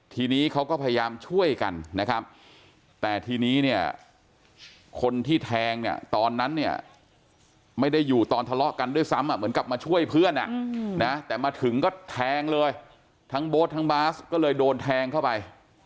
ทีนี้เขาก็พยายามช่วยกันนะครับแต่ทีนี้เนี่ยคนที่แทงเนี่ยตอนนั้นเนี่ยไม่ได้อยู่ตอนทะเลาะกันด้วยซ้ำเหมือนกับมาช่วยเพื่อนแต่มาถึงก็แทงเลยทั้งโบ๊ททั้งบาสก็เลยโดนแทงเข้าไป